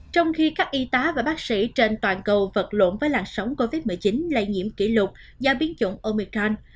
trong khi các y tá và bác sĩ trên toàn cầu vật lộn với làn sóng covid một mươi chín lây nhiễm kỷ lục do biến chủng omican